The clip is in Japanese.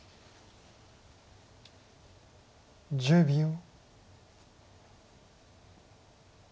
１０秒。